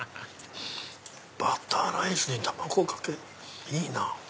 バターライスに卵かけいいな！